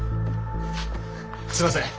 すいません！